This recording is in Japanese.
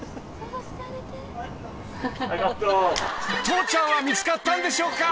［父ちゃんは見つかったんでしょうか？］